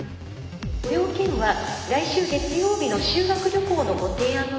ご用件は来週月曜日の修学旅行のご提案の件で。